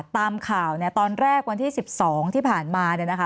ตามข่าวตอนแรกวันที่๑๒ที่ผ่านมา